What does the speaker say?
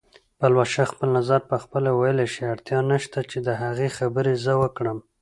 پلوشه خپل نظر پخپله ویلی شي، اړتیا نشته چې د هغې خبرې زه وکړم